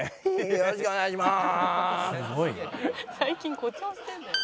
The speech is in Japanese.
よろしくお願いします。